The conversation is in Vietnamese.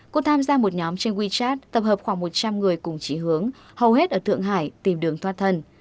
cô tham gia một nhóm trên wechat tập hợp khoảng một trăm linh người cùng chỉ hướng hầu hết ở thượng hải tìm đường thoát thần